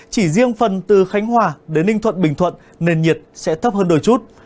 chỉ riêng phần từ khánh hòa đến ninh thuận bình thuận nền nhiệt sẽ thấp hơn đôi chút